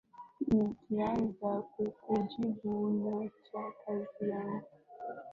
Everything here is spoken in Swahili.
Nikianza kukujibu naacha kazi yangu